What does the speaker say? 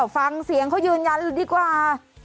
ฟังเสียงเขายืนยันเลยดีกว่า